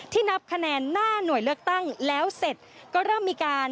นับคะแนนหน้าหน่วยเลือกตั้งแล้วเสร็จก็เริ่มมีการ